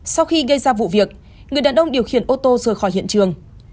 sau khi gây ra vụ việc người đàn ông điều khiển ô tô rời khỏi hiện trường